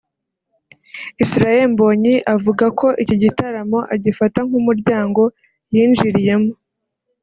Israel Mbonyi avuga ko iki gitaramo agifata nk’umuryango yinjiriyemo